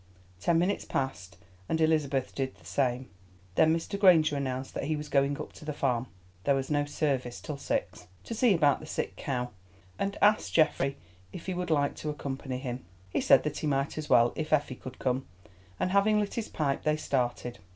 Ten minutes passed, and Elizabeth did the same. Then Mr. Granger announced that he was going up to the farm (there was no service till six) to see about the sick cow, and asked Geoffrey if he would like to accompany him. He said that he might as well, if Effie could come, and, having lit his pipe, they started.